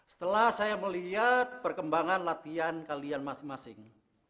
setelah saya melihat perkembangan latihan kalian masing masing